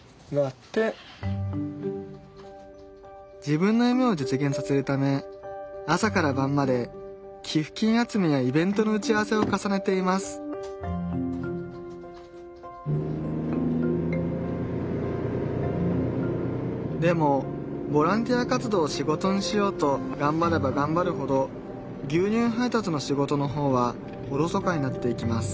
自分の夢を実現させるため朝から晩まで寄付金集めやイベントの打ち合わせを重ねていますでもボランティア活動を仕事にしようとがんばればがんばるほど牛乳配達の仕事の方はおろそかになっていきます